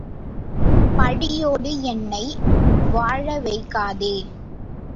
பழியோடு என்னை வாழவைக்காதே!